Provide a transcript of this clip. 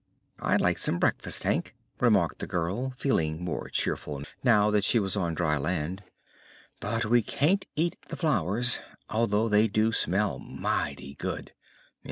"I'd like some breakfast, Hank," remarked the girl, feeling more cheerful now that she was on dry land; "but we can't eat the flowers, although they do smell mighty good."